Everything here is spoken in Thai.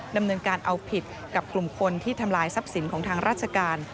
ดำเนินการเอาผิดกับกลุ่มคนที่ทำลายทรัพย์สินของทางราชการ